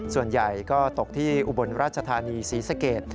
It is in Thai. ส่วนใหญ่ก็ตกที่อุบลราชธานีศรีสเกต